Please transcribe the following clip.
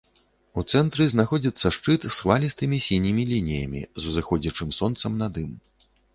У цэнтры знаходзіцца шчыт з хвалістымі сінімі лініямі, з узыходзячым сонцам над ім.